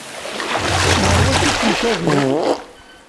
Ɣer wacu ttemcabiɣ?